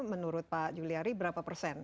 menurut pak juliari berapa persen